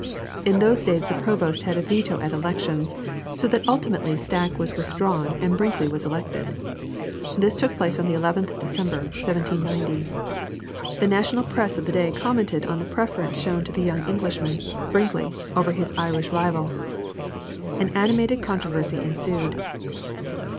In those days the Provost had a veto at elections, so that ultimately Stack was withdrawn and Brinkley was elected. This took place on the 11th December, 1790. The national press of the day commented on the preference shown to the young Englishman, Brinkley, over his Irish rival. An animated controversy ensued.